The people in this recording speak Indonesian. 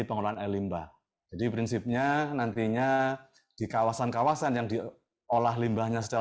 pengelolaan air limbah jadi prinsipnya nantinya di kawasan kawasan yang diolah limbahnya secara